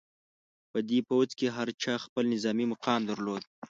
په دې پوځ کې هر چا خپل نظامي مقام درلود.